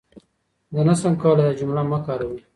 زه نشم کولای دا جمله مه کاروئ.